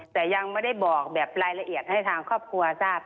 แต่ยังไม่ได้บอกแบบรายละเอียดให้ทางครอบครัวทราบ